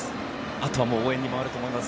あとは応援に回ると思います。